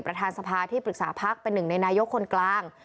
ประธานสภาที่ปรึกษาพักเป็นหนึ่งในนายกคนกลาง